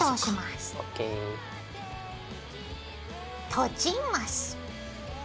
閉じます。